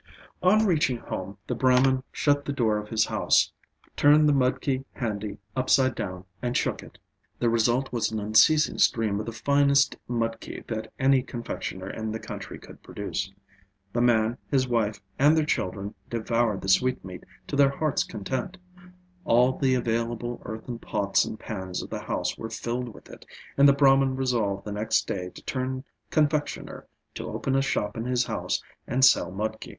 On reaching home the Brahman shut the door of his house, turned the mudki handi upside down, and shook it; the result was an unceasing stream of the finest mudki that any confectioner in the country could produce. The man, his wife, and their children devoured the sweetmeat to their hearts' content; all the available earthen pots and pans of the house were filled with it; and the Brahman resolved the next day to turn confectioner, to open a shop in his house, and sell mudki.